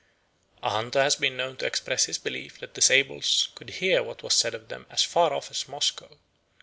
A hunter has been known to express his belief that the sables could hear what was said of them as far off as Moscow.